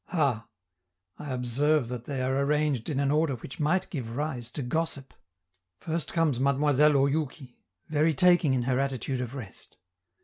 Ha! I observe that they are arranged in an order which might give rise to gossip. First comes Mademoiselle Oyouki, very taking in her attitude of rest!